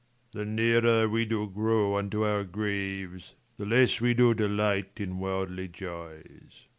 Leir. The nearer we do grow unto our graves, The less we do delight in worldly joys.